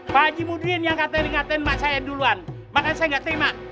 pak ji mudin yang kata katain mak saya duluan makanya saya gak terima